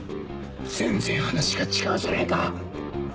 全然話が違うじゃねえか！